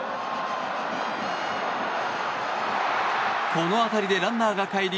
この当たりでランナーがかえり